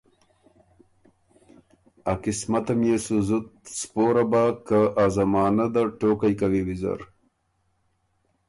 ا قسمتم يې سُو زُت سپوره بۀ که ازمانۀ ده ټوقئ کوی ویزر۔